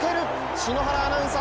篠原アナウンサー